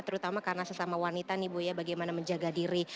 terutama karena sesama wanita nih bu ya bagaimana menjaga diri